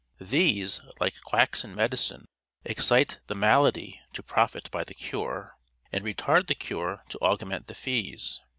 These, like quacks in medicine, excite the malady to profit by the cure, and retard the cure to augment the fees.